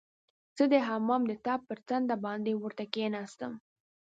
زه د حمام د ټپ پر څنډه باندې ورته کښیناستم.